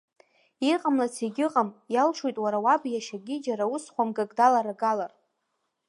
Иҟамлац егьыҟам, иалшоит уара уаб иашьагьы џьара ус хәамгак даларгалар.